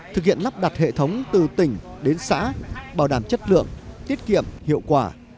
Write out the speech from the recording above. thực hiện lắp đặt hệ thống từ tỉnh đến xã bảo đảm chất lượng tiết kiệm hiệu quả